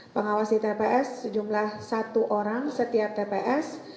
pengawas di tps sejumlah satu orang setiap tps